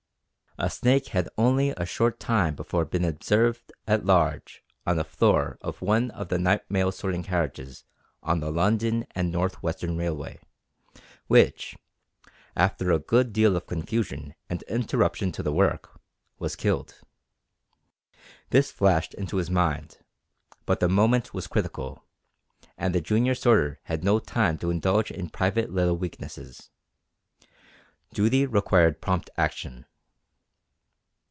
A snake had only a short time before been observed at large on the floor of one of the night mail sorting carriages on the London and North Western Railway, which, after a good deal of confusion and interruption to the work, was killed. This flashed into his mind, but the moment was critical, and the junior sorter had no time to indulge in private little weaknesses. Duty required prompt action.